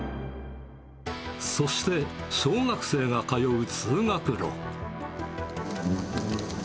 そして小学生が通う通学路。